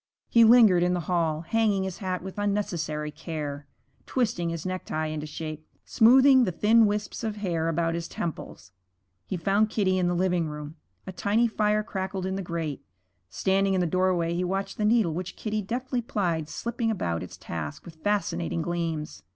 He lingered in the hall, hanging his hat with unnecessary care, twisting his necktie into shape, smoothing the thin wisps of hair about his temples. He found Kitty in the living room. A tiny fire crackled in the grate. Standing in the doorway he watched the needle which Kitty deftly plied slipping about its task with fascinating gleams.